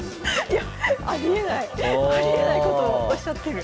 いやありえないことをおっしゃってる。